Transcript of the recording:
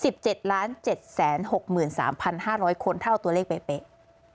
๑๗๗๖๓๕๐๐คนถ้าเอาตัวเลขเป๊ะ